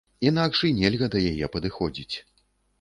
Інакш і нельга да яе падыходзіць.